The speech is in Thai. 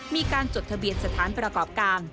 จดทะเบียนสถานประกอบการ